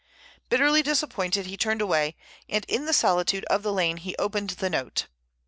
Bitterly disappointed he turned away, and in the solitude of the lane he opened the note.